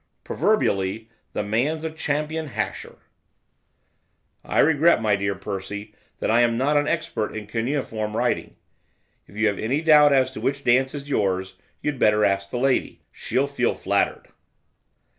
Proverbially, the man's a champion hasher. 'I regret, my dear Percy, that I am not an expert in cuneiform writing. If you have any doubt as to which dance is yours, you'd better ask the lady, she'll feel flattered.